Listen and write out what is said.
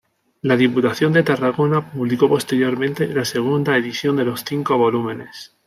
La Diputación de Tarragona publicó posteriormente la segunda edición de los cinco volúmenes.